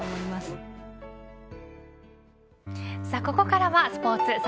ここからはスポーツ。